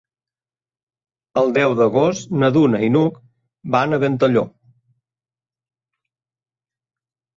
El deu d'agost na Duna i n'Hug van a Ventalló.